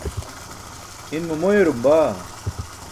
Inmo moyarum baa.